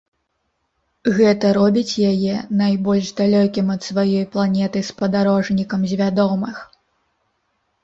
Гэта робіць яе найбольш далёкім ад сваёй планеты спадарожнікам з вядомых.